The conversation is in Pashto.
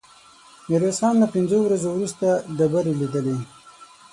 ميرويس خان له پنځو ورځو وروسته ډبرې ليدلې.